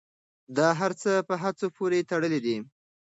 دا هر څه په هڅو پورې تړلي دي.